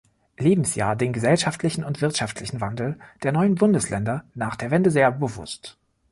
Lebensjahr den gesellschaftlichen und wirtschaftlichen Wandel der Neuen Bundesländer nach der Wende sehr bewusst.